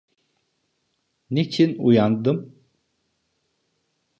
Niçin uyandım?